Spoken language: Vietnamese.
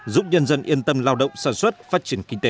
giúp nhân dân yên tâm lao động sản xuất phát triển kinh tế